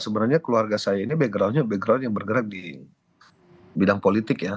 sebenarnya keluarga saya ini backgroundnya background yang bergerak di bidang politik ya